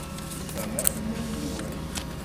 Tufam akk iman-nwen?